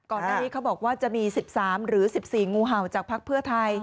ก่อนหน้านี้เขาบอกว่าจะมี๑๓หรือ๑๔งูเห่าจากภักดิ์เพื่อไทย